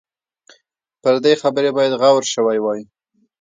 پر دې خبرې باید غور شوی وای.